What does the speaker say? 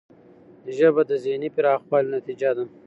ژبه د ذهنی پراخوالي نتیجه ده